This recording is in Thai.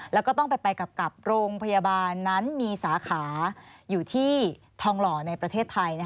แล้วก็ต้องไปกลับโรงพยาบาลนั้นมีสาขาอยู่ที่ทองหล่อในประเทศไทย